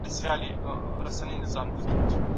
د سهار په ناشته کې هګۍ وخورئ.